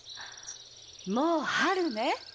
もう春ね。